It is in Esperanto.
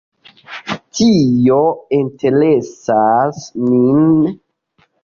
Tio interesas min.